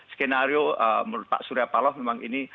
skenario menurut pak suryapaloh memang ini